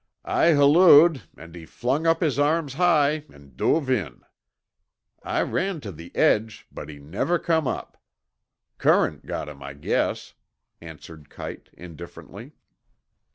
I hallooed and he flung up his arms high and duve in. I ran to the edge, but he never cum up. Current got 'im, I guess," answered Kite indifferently.